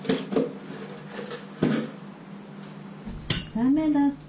ダメだって。